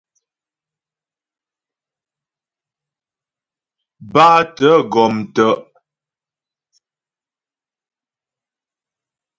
Bátə̀ gɔm tə'.